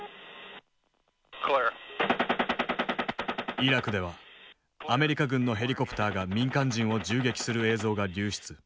イラクではアメリカ軍のヘリコプターが民間人を銃撃する映像が流出。